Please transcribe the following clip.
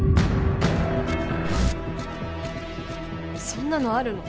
そんなのあるの？